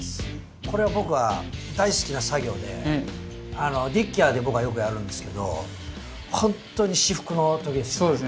これは僕は大好きな作業でディッキアで僕はよくやるんですけどほんとに至福の時ですよね。